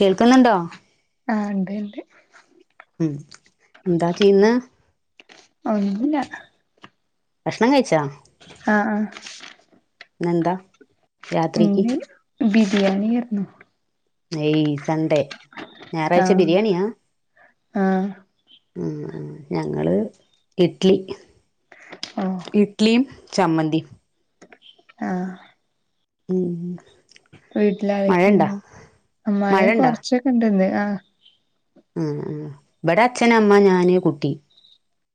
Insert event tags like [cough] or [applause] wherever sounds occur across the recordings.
കേൾക്ക്ന്നുണ്ടോ ആഹ് ഉണ്ട് ഉണ്ട് ഉം എന്താ ചെയ്യുന്നേ ഒന്നുല്ല ഭക്ഷണം കഴിച്ചോ ആഹ് ആഹ് എന്താ ഇന്ന് ബിരിയാണിയേര്ന്നു ഏയ് സൺഡേ ഞായറാഴ്ച ആഹ് ബിരിയെണിയാ ആഹ് ആഹ ഞങ്ങള് ഇഡ്ലി ഓ ഇഡ്ലിയും ചാമ്മന്തിം ആഹ ഉം മഴണ്ടാ വീട്ടിലരൊക്കെണ്ട് ആ മഴ മഴണ്ടാ കൊറച്ചൊക്കെണ്ടന്ന് ആ ആഹ് ആഹ് ഇവടെ അച്ഛനമ്മ ഞാന് കുട്ടി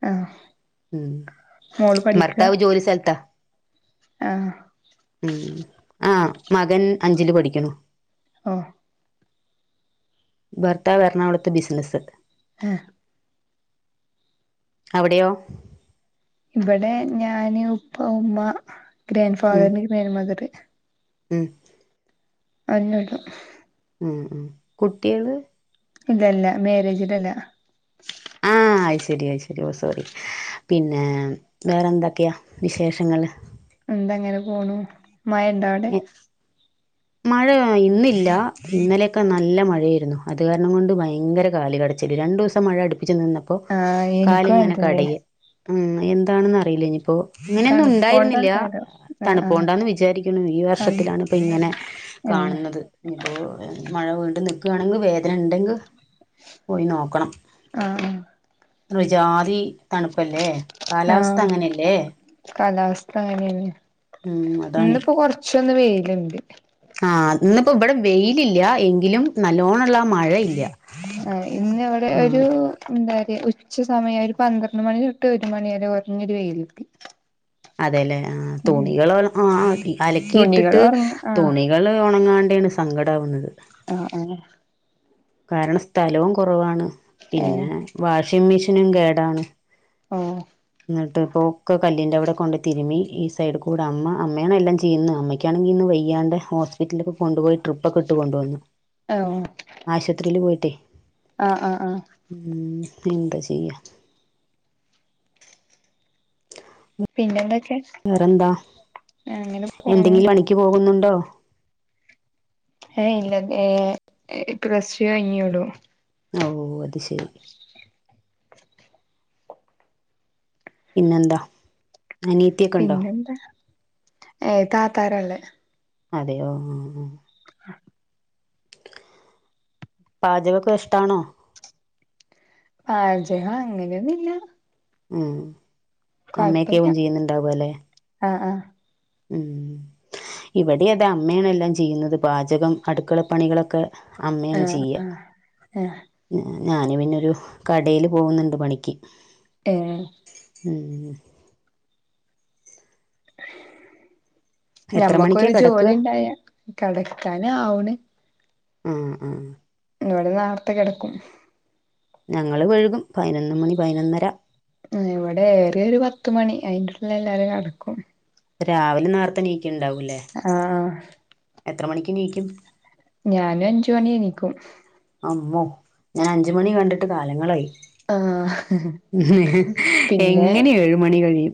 ആഹ് ഉം മോള് ഭർത്താവ് ജോലി സൽത്താ ആഹ ഉം ആ മകൻ അഞ്ചില് പഠിക്കുന്നു ആഹ് ഭർത്താവ് എറണാകൊളത്ത് ബിസിനസ്സ് ആഹ് അവടെയോ ഇവടെ ഞാന് ഉപ്പ ഉമ്മ ഗ്രാൻഡ് ഉം ഫാദർ ഗ്രാൻ് മദറ് ഉം [unintelligible] ഉം ഉം കുട്ടിയെള് ഇല്ലെല്ല മാരേജിട് അല്ല. ആഹ് അയ്ശരി അയ്ശരി ഓ സോറി പിന്നേ വേറെ എന്തക്കെയാ വിശേഷങ്ങള്. എന്തങ്ങനെ പോണു മയണ്ട അവടെ മഴ ഇന്നില്ല ഇന്നലെയൊക്കെ നല്ല മഴയേര്ന്നു അത് കാരണംകൊണ്ട് ഭയങ്കര കാല് കട് ച്ചല് രണ്ടുസം മഴ അടുപ്പിച്ച് നിന്നപ്പോ ആഹ് എനിക്കും അങ്ങനെ കാലിങ്ങനെ തന്നെ കടയ്യ. ഉം എന്താണെന്ന് അറിയില്ല ഇനിയിപ്പോ. ഇങ്ങനെയൊന്നും ഉണ്ടായിരുന്നില്ലാ തണുപ്പോണ്ടാക്കാരം ആഹ് ആഹ് തണുപോണ്ടാന്ന് വിചാരി [unintelligible] ഈ തണു വർഷത്തിലാണ് ഇപ്പ ഇങ്ങനെ ഏഹ് കാണുന്നത്. ഞ്ഞിപ്പോ മഴ വീണ്ടും നിക്കാണങ്കി വേദനണ്ടെങ്ക് പോയി നോക്കണം ആഹ് ആഹ് ഒരു ഒജാതി തണ്പ്പല്ലേ ആഹ് കാലാവസ്ഥ അങ്ങനെന്നെ ഉം അതാണ് ഇന്ന്പ്പോ കൊർ ച്ചോന്ന് വെയില്ണ്ട്. ആഹ് ന്ന്പ്പോ ഇബടെ വെയില് ഇല്ല്യ എങ്കിലും നല്ലോണംള്ള ആ മഴ ഇല്ല്യ ആഹ് ഇന്ന് ഇവിടെ ഒരു എന്താറിയാ ഉച്ച സമയഒരു പന്ത്രണ്ട് മണി തൊട്ട് ഒരു മണി വരെ കൊർഞ്ഞൊരു വെയിലിണ്ട് അതേലേ ആഹ് തുണികള് ഒൽ ആ തുണികൾ അലക്കിയിട്ടിട്ട് ഉറങ്ങ ആ തുണി കള് ഒണങ്ങാണ്ടേണ് സങ്കടാവുന്നത്. ആഹ് ആഹ് കാരണം സ്ഥലവും കൊറവാണ് ഏഹ് വാഷിംഗ് മിഷിനും കേടാണ്. ആഹ് ന്നിട്ട് ഇപ്പോക്കെ കല്ലീൻ്റെ അവടെ കൊണ്ട് തിരുമി ഈ സൈഡ് കൂടെ അമ്മ അമ്മേണ് എല്ലം ചെയ്യുന്ന് അമ്മയ്ക്കാണെങ്കി ഇന്ന് വെയ്യാണ്ടേ ഹോസ്പിറ്റില്ക്കെ കൊണ്ട്പോയി ട്രിപ്പൊക്കെട്ട്കൊണ്ടുവന്നു. [unintelligible] ആശുപത്രില് പോയിട്ടേ ആ ആ ആ ഉം എന്താ ചെയ്യാ. പിന്നെ എന്തക്കെ. വേറെന്താ പോണു എന്തെങ്കിൽ പണിക്ക് പോവുന്നുണ്ടോ. ഏയ് ഇല്ല ഏഹ് പ്ലസ് ടൂ കഴിഞ്ഞേ ഉള്ളു അവൂ അത് ശരി പിന്നെന്താ അനി പിന്നെന്താ ഏഹ് താത്താരാള്ളെ അതേയോ ആഹ് ആഹ് പാചകൊക്കെ ഇഷ്ടാണോ പാചകം അങ്ങനെയൊന്നില്ല ഉം അമ്മയക്കാവും ചെയ്യുന്നുണ്ടാവല്ലെ ആഹ് ആഹ് ഉം ഇവിടെ അതാ അമ്മയാണ്ല്ലാം ചെയ്യുന്നത് പാചകം അടുക്കളപ്പണികളൊക്കെ ആ അമ്മയാണ് ചെയ്യാ ആ ഉം ഞാന് പിന്നെരു കടേല് പോവുന്നുണ്ട് പണിക്ക് ഏഹ് ഉം എത്ര മണിക്കാ ഞമ്മക്കൊരു കിടക്കുക ജോലി ഉണ്ടായ കടക്കാന് ആവണ് ഉം ഉം ഇവടെ നാർത്തെ കെടക്കും ഞങ്ങള് വെഴ്കും പയ്നൊന്ന് മണി പയ്നൊന്നെര ഉം ഇവെടെ ഏറ്യാ ഒരു പത്ത് മണി അയ്ന്റുള്ള്ല് എല്ലാരും കട്ക്കും രാവിലെ നേർത്തെണീക്ക്ൺണ്ടാവുല്ലേ ആഹ് എത്ര മണിക്കെണീക്കും ഞാനു അഞ്ച് മണി എണീക്കും അമ്മോ ഞാൻ അഞ്ച് മണി കണ്ടിട്ട് കാലെങ്ങളായ് ആഹ് പിന്നെ എങ്ങെനിം ഏഴുമണി കഴിയും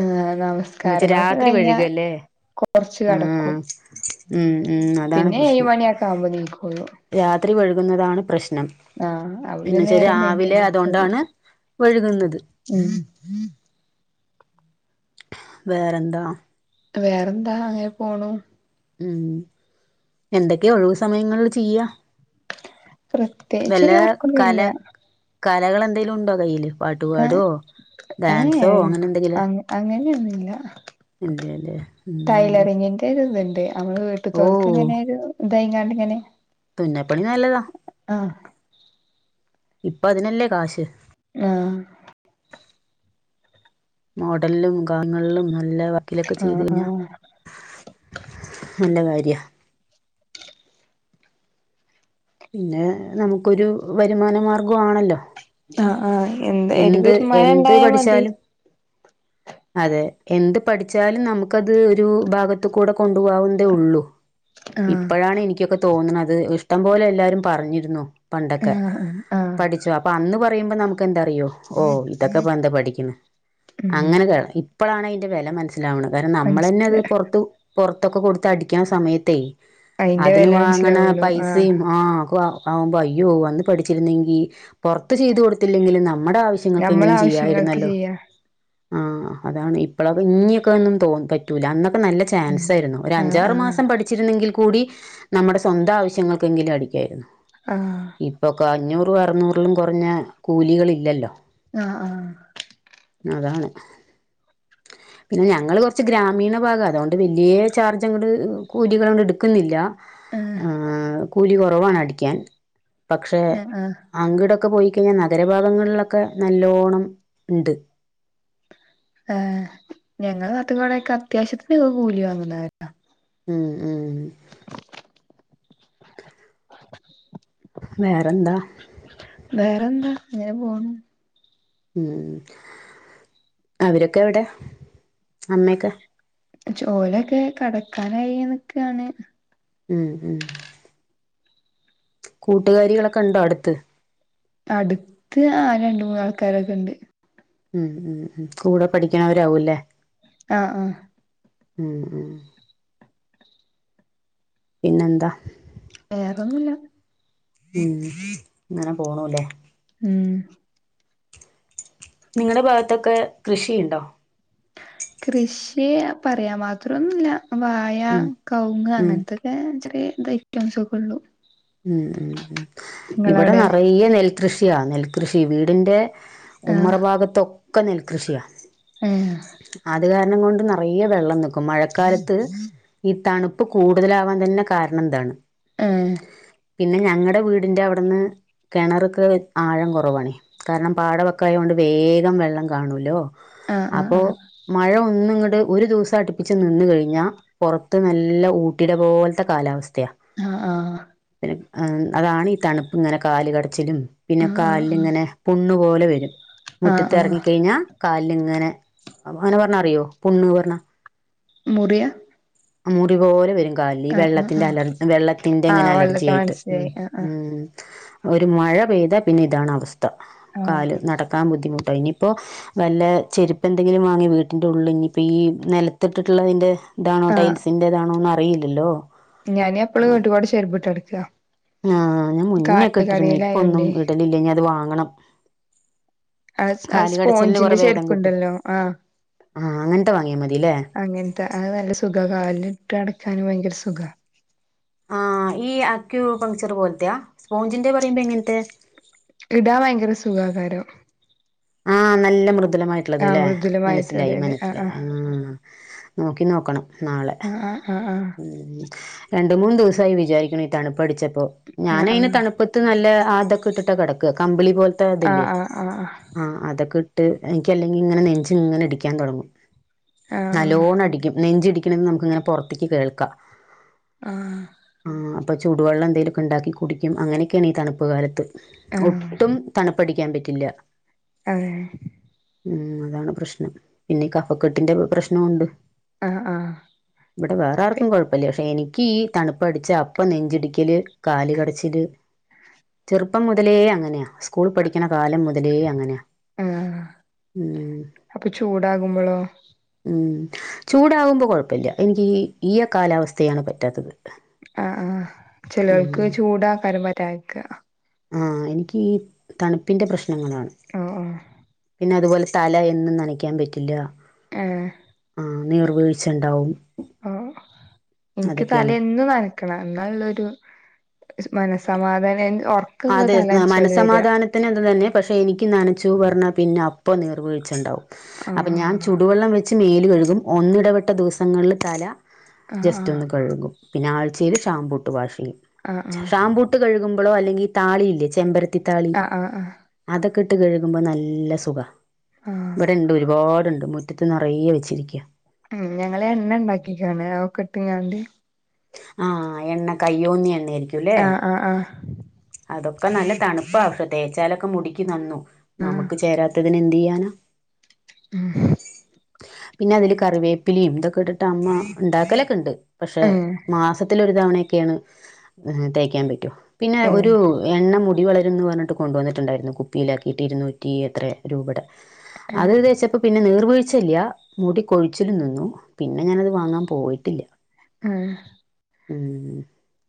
ആഹ് എന്ന് വെച്ചാ നമസ്കാരങ്ങളൊക്കെ രാത്രി കയ്ഞ്ഞാ വഴുകല്ലേ കൊർച്ച് കെടക്കും ആഹ് ഉം ഉം ന്ന പിന്നെ ഏഴ്മണ്യക്ക ആവ്മ്പം നീക്കാെള്ളു രാത്രി വഴ്ക്ന്നതാണ് പ്രശ്നം ആഹ് അത് പിന്നെ പിന്നെച്ചാ നേരം വൈകിയ രാവിലെ എണീക്കൊള്ളൂ അതോണ്ടാണ് വഴ്ക്ന്നത് ഉം വേറെന്താ വേറെന്താ അങ്ങനെ പോണു ഉം എന്തൊക്കെ ഒഴിവ് സമയങ്ങൾൽ ചെയ്യാ പ്രത്യേക്ച്ചാെര് വർക്കൊന്നും ഇല്ലാ കലകളെന്തേലുണ്ടോ കയ്യില് പാട്ടുപാടോ ഏഹ് ഏഹ് അങ്ങ് അങ്ങന്യൊന്നുല്ലാ എന്റെ അല്ലേ ഊം [unintelligible] ലാെന്ന്ണ്ട് അമ്മളെ വീട്ട്ത്തോൽക്ക് ങ്ങെനെ ഒരു തായ്ങ്ങാണ്ട്ങ്ങെനെ തുന്നൽപ്പണി നല്ലതാ ആഹ് ഇപ്പതിനല്ലേ കാശ് ആഹ് മോഡൽലും ഗാങ്ങൾലും നല്ല വ ർക്ക്ലൊക്കെ ചെയ്ത് ആഹ് കയ്ഞ്ഞാ ആഹ് നല്ല കാര്യാ പിന്നെ നമുക്കൊരു വരുമാന മാർഗു ആണല്ലോ ആഹ് ആഹ് എന്താ ഒര് എന്ത് എന്ത് വെര്മാനണ്ടായാ മതി പഠിച്ചാലും അതെ എന്ത് പഠിച്ചാലും നമ്ക്കത് ഒരു ഭാഗത്ത് കൂടെ കൊണ്ടു പോകാവുന്നതേ ഒള്ളു ആഹ് ഇപ്പഴാണ് എനിക്കൊക്കെ തോന്ന്ണത് ഇഷ്ടം പോലെ എല്ലാരും പറഞ്ഞിര്ന്നു പണ്ടൊക്കെ ആഹ് ആഹ് പഠിച്ചാേ അപ്പൊ അന്ന് പറയുമ്പം നമ്ക്കെന്താറിയോ ഓഹ് ഇതൊക്കെ പ്പെന്താ പടിക്ക്ണ് ഉം അങ്ങെനെ കേറാ ഇപ്പളാണ് അയ്ന്റെ വെല മൻസ് ലാവ്ണെ കാര്ണം നമ്മളെന്നെ അത് മനസ്സില പൊറത്ത് പൊറത്തൊക്കെ കൊടുത്ത് അടിക്കാൻ സമയത്തേ അയിന്റെ അതിന് വില വാങ്ങ്ണ മനസ്സിലാവുള്ളു ആഹ് പൈസേം ആഹ് ക്വാ ആവുമ്പം അയ്യോ അന്ന് പഠിച്ചിര്ന്നെങ്കി പൊർത്ത് ചെയ്ത് കൊട്ത്തില്ലെങ്കിലും നമ്മടെ ആവശ് നമ്മളെ ശ്യങ്ങൾക്കെങ്കിലും ആവശ്യങ്ങൾക്ക് ചെയ്യായിര്ന്നല്ലോ ചെയ്യാ ആഹ് അതാണ് ഇപ്പഴൊക്കെ ഇഞ്ഞിക്കൊന്നും തോ തയ്ക്കൂല അന്നൊക്കെ നല്ല ഉം ചാൻസായ്ര്ന്നു ആഹ് ഒരഞ്ചാറ് ആഹ് മാസം പഠിച്ചിര്ന്നെങ്കിൽ കൂടി നമ്മ്ടെ സ്വന്തം ആവശ്യങ്ങൾക്കെങ്കിലും അടിക്ക്യായ്ര്ന്നു ആഹ് ഇപ്പൊക്ക അഞ്ഞൂറും അറ്ന്നൂറിലും കാെറെഞ്ഞ കൂലികളില്ലല്ലോ ആഹ് ആഹ് അതാണ് പിന്നെ ഞങ്ങള് കൊറച്ച് ഗ്രാമീണ ഭാഗ അതുകൊണ്ട് വല്യാ ചാർജ്ങ്ങട്ട് കൂലികളങ്ങട് എടുക്കുന്നില്ല ആഹ് കൂലി കൊ റവാണ് അടിക്കാൻ പക്ഷെ ആഹ് ആഹ് അങ്ടൊക്കെ പോയിക്കഴിഞ്ഞാൽ നഗരഭാഗങ്ങളിലൊക്കെ നല്ലോണം ഉണ്ട് ഞങ്ങള് നാട്ട്കൊക്കെ അത്യാവശ്യത്തിനോക്കെ കൂലി വാങ്ങുന്നവരാ ഉം ഉം വേറെന്താ വേറെന്താ ഇങ്ങനെ പോണു ഉം അവരൊക്കെ എവിടെ അമ്മയൊക്കെ ചോലൊക്കെ കടക്കാനായി നിക്കാണ് ഉം ഉം കൂട്ടുകാരികളൊക്കെ ഉണ്ടോ അടുത്ത് അടുത്ത് ആഹ് രണ്ട് മൂന്ന് ആൾക്കാരൊക്കെ ഉണ്ട് ഉം ഉം ഉം കൂടെ പഠിക്കണവരാവൂല്ലേ ആഹ് ആഹ് ഉം ഉം പിന്നെന്താ വേറൊന്നുല്ല ഉം അങ്ങനെ പോണുല്ലേ ഉം നിങ്ങളുടെ ഭാഗത്തൊക്കെ കൃഷിയുണ്ടോ കൃഷി പറയാൻ മാത്രംന്നുല്ല വാഴ ഉം കൗങ്ങ് ഉം അങ്ങനത്തെ പിന്നെ ചെറിയ ഐറ്റംസ്ഒക്കെ ഉള്ളു ഉം ഉം ഉം ഇവിടെ നിങ്ങളവിടെ നെറയ നെൽകൃഷിയാ നെൽകൃഷി വീടിൻറെ ഉമ്മറ ആഹ് ഭാഗത്തൊക്കെ നെൽകൃഷിയാ ഏയാ അത് കാരണം കൊണ്ട് നിറയേ വെള്ളംനിക്കും മഴക്കാലത്ത് ഈ തണുപ്പ് കൂടുതലാവാൻ തന്നെ കാരണം ഇ താണ് ആഹ് പിന്നെ ഞങ്ങടെ വീടിന്റെ അവിടുന്ന് കിണറക്ക് ആഴം കുറവാണ് കാരണം പാടവക്കായതൊണ്ട് വേഗം വെള്ളം കാണൂലോ ആഹ് അപ്പോ ആഹ് മഴ ഒന്നും ഇങ്ങട്ട് ഒരു ദിവസം അടുപ്പിച്ച് നിന്ന് കഴിഞ്ഞാ പൊറത്ത് നല്ല ഊട്ടി ടെ പോലത്തെ കാലാവസ്ഥയാ ആഹ് ആഹ് അതാണ് ഈ തണുപ്പ ഇങ്ങനെ കാല് കടച്ചിലും പിന്നെ ആഹ് ആഹ് ആഹ് ആഹ് കാലിൽങ്ങനെ പുണ്ണ് പോലെ വരും മുറ്റത്ത് ആഹ് ആഹ് ഇറങ്ങിക്കഴിഞ്ഞാ കാലിൽങ്ങനെ അങ്ങനെ പറഞ്ഞ അറിയോ പുണ്ണ് പറഞ്ഞ മുറിയ ആ മുറിവ് പോലെ വരും കാലില് ആഹ് ആഹ് വെള്ളത്തിന്റെ ആഹ് അലർ വെള്ളത്തിന്റെ എങ്ങനെ ആഹ് അലർജി വെള്ളത്തി ആയിട്ട് ഉ മനസ്സിലായി ആഹ് ഉ ആഹ് ഒരു മഴ പെയ്താ പിന്നെ ഇതാണ് അവസ്ഥ ആഹ് കാല് നടക്കാൻ ബുദ്ധിമുട്ട് ഇനിയിപ്പോ വല്ല ചെരുപ്പ് എന്തെങ്കിലും വാങ്ങിയ വീട്ടിന്റെ ഉള്ളിൽ ഇനി ഇപ്പ ഈ നിലത്തിട്ടിട്ടുള്ളതിന്റെ ഇതാണ് ടൈൽസിന്റെതാണോന്ന് അറിയില്ലല്ലോ ഞാനും എപ്പള് ആ വീട്ടിക്കോട് ചേരുപിട്ട് നടുക്കാ ആഹ് ഞാൻ മുന്നേക്കെ ഇട്ടിരുന്നു ഇപ്പൊന്നും ഇടലില്ല ഞ അത് വാങ്ങണം ആഹ് സ് കാല് കടച്ചിലിന് സ്പോഞ്ചിന്റെ കൊറെ ഭേദം കിട്ടും ചെരുപ്പുണ്ടല്ലോ ആഹ് ആഹ് അങ്ങൻത്തെ വാങ്ങിയാ മതില്ലേ. ആഹ് അത് നല്ല സുഖ കാലിലിട്ട് നട്ക്കാനും ഭയങ്കര സുഖ. ആഹ് ഈ ആക്യൂ പങ്ക്ചർ പോലത്തെയാ സ്പോഞ്ചിന്റെ പറയുമ്പോ എങ്ങിന് ത്തെ. ഇടാം ഭയങ്കര സുഖാകാരം. ആഹ് നല്ല മൃദുലമായിട്ട്ള്ളത് ആ അല്ലെ മൃദുലമായിട്ട് അതെ മനസ്സിലായി അതെ ആ മനസ്സിലായി ആഹ്. നോക്കി നോക്കണം നാളെ ആ ആ ആ ഉം. രണ്ട് മൂന്ന് ദിവസായി വിചാരിക്ക്ണ് തണുപ്പ് അട്ച്ചപ്പോ ആ ആ ഞാനയിന് തണുപ്പ്. ത്ത് നല്ല ആഹ് തൊക്കെ ഇട്ടിട്ടാ കടക്കാ കമ്പിളി പോല്ത്തെ തില്ലേ. ആഹ് ആഹ്. ആഹ് അതക്കെ ഇട്ട് എന്ക്കല്ലെങ്കിൽ ഇങ്ങനെ നെഞ്ച് ഇങ്ങനെ അടിക്കാൻ തെട്ങ്ങും. ആ ആ നല്ലോണം അടിക്കും നെഞ്ചിടിക്കണന്ന് നമുക്ക് ഇങ്ങനെ പെറ്ത്ത്ക്ക് കേൾക്കാം. ആഹ്. ആഹ് അപ്പോ ചൂട് വള്ളം എന്തേലെക്കെ ഉണ്ടാക്കി കുടിക്കും അങ്ങനെയൊക്കെയാണ് ഈ തണുപ്പ് കാലത്ത് ആ ആ ഒട്ടും. തണുപ്പടിക്കാൻ പറ്റില്ല. അതെ. ഉം അതാണ് പ്രശ്നം പിന്നെ കഫക്കെട്ടിന്റെ പ്രശ്നമുണ്ട്. ആഹ് ആഹ ഇവിടെ വേറെ ആർക്കും കെഴപ്പല്ലൃ പക്ഷേ എനിക്ക് ഈ തണുപ്പടിച്ച അപ്പം നെഞ്ചിടിക്കല്. കാല് കട. ച്ചില് ചെറ്പ്പം മുതലേ അങ്ങനെയാ സ്കൂൾ പഠിക്ക്ണ കാലം മുതലേ അങ്ങനെയാ. ഉം. ഉം. ഉം ചൂടകുമ്പോ കെഴപ്പല്ലൃ എനിക്ക് ഈ ഈയ കാലാവസ്ഥയാണ് പറ്റാത്തത്. ആഹ് ആഹ് ചെലേൽക്ക് ഉം ചൂടാക്കാരും പറ്റാത്ക്ക. ആഹ് എനിക്ക് ഈ തണുപ്പിന്റെ പ്രശ്നങ്ങളാണ്. ആഹ് ആഹ്. പിന്നെ അതുപോലെ തല എന്നും നനയ്ക്കാൻ പറ്റില്ല. ഏഹ്. ആഹ് നീർ വീഴ്ച്ചണ്ടാവും. ആഹ എന്ക്ക് തല എന്നും നന് ക്കണം ന്ന ഇള്ളരു മനസ്സമാധാനം എന്ത് ഒ അതെ മ മനസ്സമാധാനത്തി ത്തനെ അതു തന്നെ പക്ഷേ എനിക്ക് നനച്ചൂ പറ്ഞ്ഞാൽ പിന്നെ അപ്പോ നീർ വീഴ്ച്ചുണ്ടാവും. ആ അപ്പൊ ഞാൻ ചുടുവെള്ളം വെച്ച് മേല് കഴ്കും ഒന്നിടവെട്ട ദിവസങ്ങളിൽ തല ആ ജസ്റ്റ് ആ ഒന്ന് കഴ്കും പിന്നെ ആഴ്ചയിൽ ഷാംമ്പൂട്ട് വാഷ് ചെയ്യും ആഹ് ആഹ് ഷാംമ്പൂ. ട്ട് കഴുകുമ്പളോ അല്ലെങ്കിൽ താളിയില്ലേ ചെമ്പരത്തി താളി ആഹ് ആഹ് ആഹ് അതൊക്ക ഇട്ട് കഴുകുമ്പോ നല്ല സുഖ ആഹ് ഇവിടെ ഉണ്ട് ഒരുപാടുണ്ട്. മുറ്റത്ത് നറയെ വെച്ചിരിക്കൃ. ഉം ഞങ്ങള് എണ്ണ ഇണ്ടാക്കിക്കാണ് അവൊക്കെ ഇട്ട്ങ്ങാണ്ട്. ആഹ് എണ്ണ കയ്യോന്നി എണ്ണായിരിക്കും അല്ല ആഹ് ആഹ് ആഹ് അതൊക്കെ നല്ല തണുപ്പ തേച്ചാലൊക്കെ മുടിക്ക് നന്നും ആഹ് നമുക്ക് ചേരാത്തതിന് എന്ത് ചെയ്യാന ഉം. പിന്നെ അതില് കറിവേപ്പിലിയും ഇതൊക്കെ ഇട്ടിട്ട് അമ്മ ഉണ്ടാക്കലൊക്കെ ഉണ്ട്. പക്ഷേ ഏഹ് മാസത്തില് ഒരു തവണയൊക്കെയാണ് തേക്കാൻ പറ്റു പിന്നെ ഒരു. ഏഹ് എണ്ണ മുടി വളരുംന്ന് പറ്ഞ്ഞിട്ട് കൊണ്ട് വന്ന്ട്ട്ണ്ടായിരുന്നു കുപ്പിയിലാക്കിയിട്ട് ഇരുന്നൂറ്റി എത്ര രൂപടെ ഏഹ് അത് തേച്ചപ്പോ പിന്നെ നീർവീഴിച്ചില്ല മുടി കൊഴിച്ചിലും നിന്നു പിന്നെ ഞാനത് വാങ്ങാൻ പോയിട്ടില്ല ആഹ് ഉം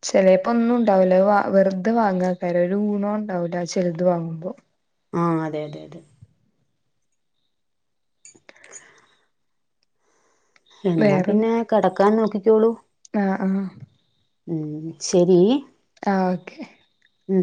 ചിലേപ്പൊ ഒന്നും ഉണ്ടാവില്ല വെറുതെ വാങ്ങാക്കാര് ഒരു ഗുണോ ഉണ്ടാവൂല്ല ചെലത് വാങ്ങുമ്പോ ആഹ് അതെ അതെ അതെ [inaudible] എന്നാ പിന്നെ വേറെന്താ കെടക്കാൻ നോക്കിക്കോളൂ ആഹ് ആഹ് ഉം ശരി ആ ഓക്കെ ഉം